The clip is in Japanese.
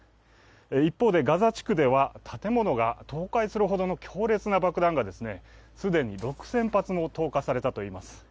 一方でガザ地区では建物が倒壊するほどの強烈な爆弾が既に６０００発も投下されたといいます。